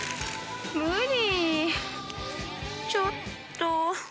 無理ちょっと。